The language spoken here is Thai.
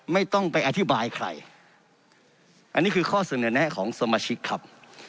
ไม่ต้องไปอธิบายใครอันนี้คือข้อเสนอแนะของสมาชิกครับ